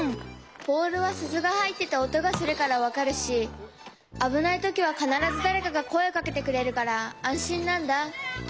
ボールはすずがはいってておとがするからわかるしあぶないときはかならずだれかがこえをかけてくれるからあんしんなんだ。